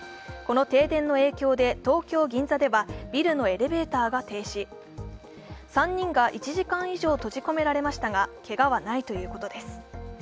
この停電の影響で東京・銀座ではビルのエレベーターが停止、３人が１時間以上閉じ込められましたが、けがはないということです。